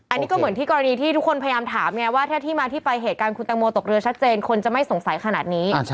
อันนี้ก็เหมือนที่กรณีที่ทุกคนพยายามถามไงว่าถ้าที่มาที่ไปเหตุการณ์คุณตังโมตกเรือชัดเจนคนจะไม่สงสัยขนาดนี้